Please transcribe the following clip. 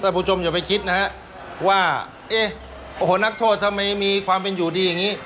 ผู้ชมอย่าไปคิดนะฮะว่าเอ๊ะโอ้โหนักโทษทำไมมีความเป็นอยู่ดีอย่างนี้